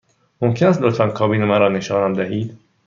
ممکن است لطفاً کابین مرا نشانم دهید؟